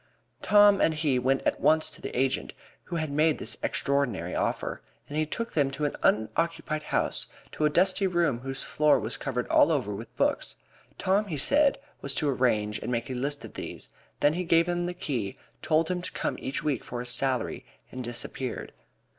Tom and he went at once to the agent who had made this extraordinary offer, and he took them to an unoccupied house, to a dusty room whose floor was covered all over with books. Tom, he said, was to arrange and make a list of these. Then he gave him the key, told him to come to him each week for his salary, and disappeared.